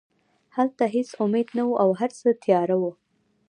هلته هېڅ امید نه و او هرڅه تیاره وو